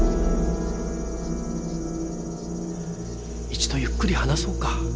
一度ゆっくり話そうか。